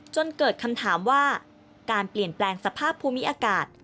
จนเกิดคำถามว่าการเปลี่ยนแปลงสภาพภูมิอากาศ